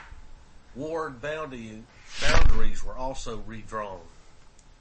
Ward boundaries were also redrawn.